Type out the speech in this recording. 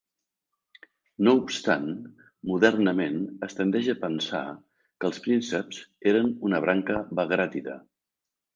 No obstant modernament es tendeix a pensar que els prínceps eren una branca bagràtida.